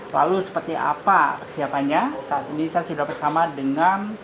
lalu seperti apa persiapannya saat ini saya sudah bersama dengan